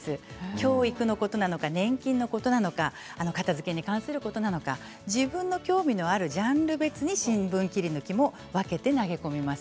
教育のことなのか年金のことなのか片づけに関することなのか自分の興味のあるジャンル別に新聞切り抜きも分けて投げ込みます。